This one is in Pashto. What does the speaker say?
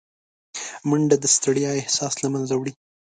منډه د ستړیا احساس له منځه وړي